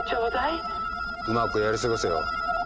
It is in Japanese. うまくやり過ごせよ。